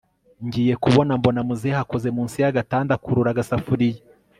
ngiyekubona mbona muzehe akoze munsi yagatanda akurura agasafuriya